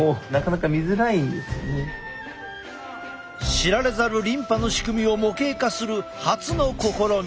知られざるリンパの仕組みを模型化する初の試み。